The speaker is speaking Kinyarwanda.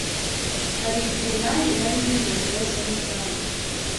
Hari igihe nanjye nari ndi mu kibazo nk’icyanyu